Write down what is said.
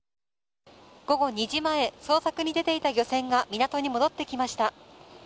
午後２時前捜索に出ていた漁船が港に戻ってきました。